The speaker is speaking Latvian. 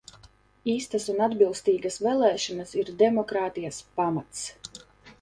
Īstas un atbilstīgas vēlēšanas ir demokrātijas pamats.